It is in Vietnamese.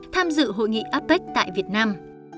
tham dự hội nghị apec tại việt nam